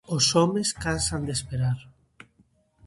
Os homes cansan de esperar.